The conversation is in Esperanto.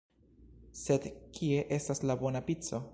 Sed kie estas la bona pico?